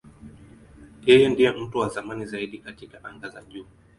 Yeye ndiye mtu wa zamani zaidi katika anga za juu.